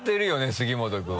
杉本君を。